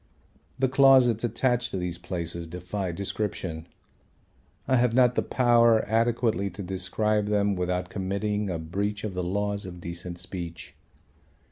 The closets attached to these places defy description. I have not the power adequately to describe them without committing a breach of the laws of decent speech.